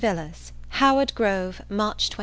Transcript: VILLARS Howard Grove, March 26.